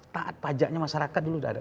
taat pajaknya masyarakat dulu sudah ada